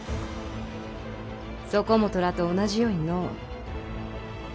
そこもとらと同じようにの。